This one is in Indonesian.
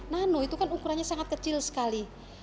nano itu kan ukurannya sangat kecil sekali